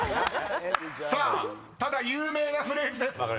［さあただ有名なフレーズです。